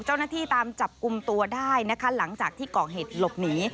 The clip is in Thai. เจ้าหน้าที่ตามจับกลุ่มตัวได้นะคะหลังจากที่ก่อเหตุหลบหนี